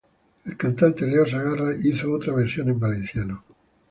El cantante Leo Segarra hizo otra versión en valenciano.